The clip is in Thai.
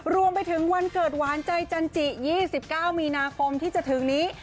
รวมไปถึงวันเกิดหวานใจจันทรียี่สิบเก้ามีนาคมที่จะถึงนี้